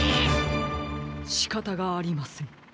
しかたがありません。